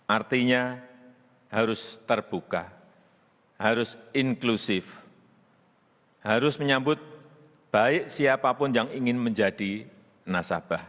artinya harus terbuka harus inklusif harus menyambut baik siapapun yang ingin menjadi nasabah